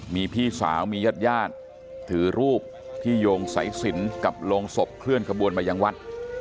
มีพี่สาวมีญาติญาติถือรูปที่โยงสายสินกับโรงศพเคลื่อนขบวนมายังวัด